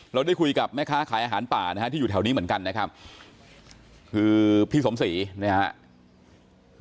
เราได้คุยกับแม่ค้าขายอาหารป่านะฮะที่อยู่แถวนี้เหมือนกันนะครับคือพี่สมศรีนะครับ